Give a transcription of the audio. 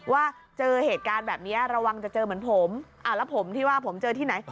ว่าเจอเหตุการณ์แบบนี้ระวังจะเจอเหมือนผมแล้วผมที่ว่าผมเจอที่ไหน